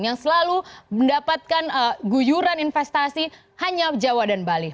yang selalu mendapatkan guyuran investasi hanya jawa dan bali